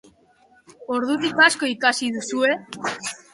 Ordutik asko ikasi duzue?